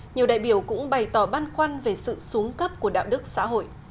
nhiều đại biểu cũng bày tỏ băn khoăn về sự xuống cấp của đạo đức xã hội